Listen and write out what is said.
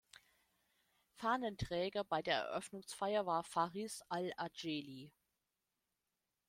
Fahnenträger bei der Eröffnungsfeier war Faris Al-Ajeeli.